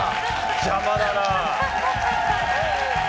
邪魔だなあ。